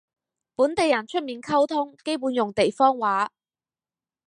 本地人出面溝通基本用地方話